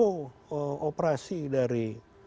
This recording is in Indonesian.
untuk operasi dari